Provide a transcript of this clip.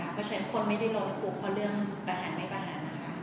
เพราะฉะนั้นคนไม่ได้ล้นคุกเพามีเรื่องประหารหรือไม่ประหาร